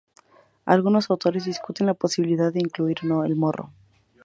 Algunos autores discuten la posibilidad de incluir o no, el morro.